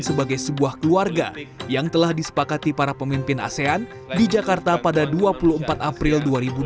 sebagai sebuah keluarga yang telah disepakati para pemimpin asean di jakarta pada dua puluh empat april dua ribu dua puluh